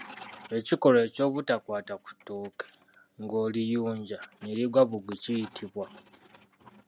Ekikolwa eky’obutakwata ku ttooke ng’oliyunja ne ligwa bugwi kiyitibwa.